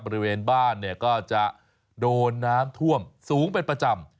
บริเวณบ้านเนี่ยก็จะโดนน้ำท่วมสูงเป็นประจำ